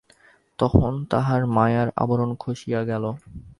তখন তাহার মায়ার আবরণ খসিয়া গেল।